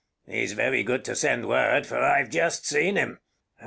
He's very good to send word, for I've just seen him.